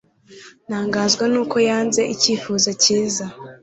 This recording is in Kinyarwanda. Ntangazwa nuko yanze icyifuzo cyiza